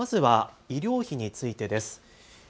まずは医療費についてです。